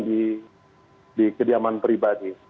di kediaman pribadi